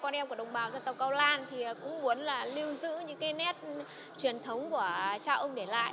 nét truyền thống của cha ông để lại